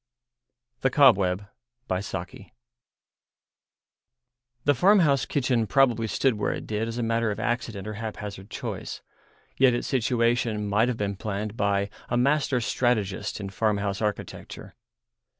THE COBWEB The farmhouse kitchen probably stood where it did as a matter of accident or haphazard choice; yet its situation might have been planned by a master strategist in farmhouse architecture.